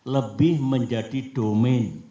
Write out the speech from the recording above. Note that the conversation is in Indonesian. lebih menjadi domain